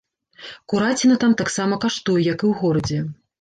Кураціна там таксама каштуе, як і ў горадзе.